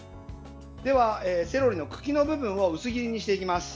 では、セロリの茎の部分を薄切りにしていきます。